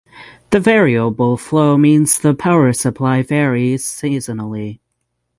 The variable flow means the power supply varies seasonally.